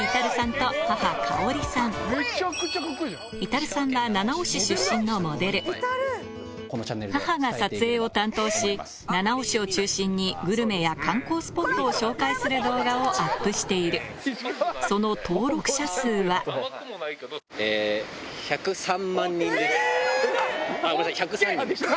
至さんは母が撮影を担当し七尾市を中心にグルメや観光スポットを紹介する動画をアップしているその登録者数はすげぇの来た！